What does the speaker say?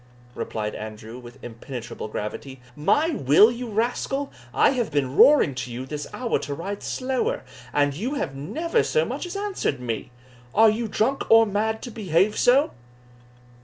replied Andrew, with impenetrable gravity. "My will, you rascal? I have been roaring to you this hour to ride slower, and you have never so much as answered me Are you drunk or mad to behave so?"